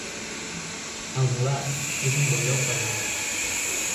El Molar es un bon lloc per anar-hi